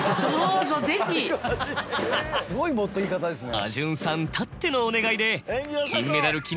あじゅんさんたってのお願いで。